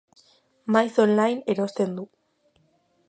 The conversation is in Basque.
Maiz online erosten du.